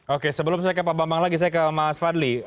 oke sebelum saya ke pak bambang lagi saya ke mas fadli